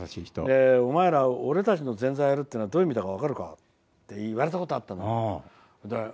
お前ら俺たちの前座をやるのはどういう意味か分かるかって言われたことがあったの。